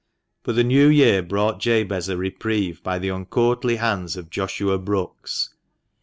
But the new year brought Jabez a reprieve by the uncoflrtly hands of Joshua Brookes.